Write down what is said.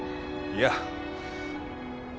いや。